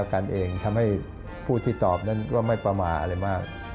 กันเองทำให้ผู้ที่ตอบนั้นก็ไม่ประมาทอะไรมาก